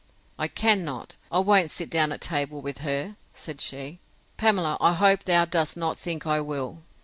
I cannot, I won't sit down at table with her, said she: Pamela, I hope thou dost not think I will?